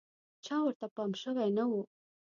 چا ورته پام شوی نه و.